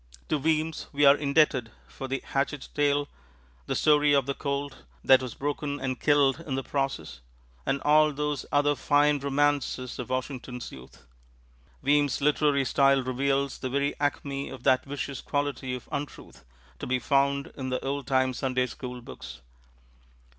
To Weems are we indebted for the hatchet tale, the story of the colt that was broken and killed in the process, and all those other fine romances of Washington's youth. Weems' literary style reveals the very acme of that vicious quality of untruth to be found in the old time Sunday school books.